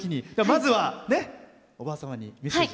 まずはおばあ様にメッセージ。